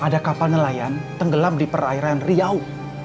ada kapal nelayan tenggelam di perairan riau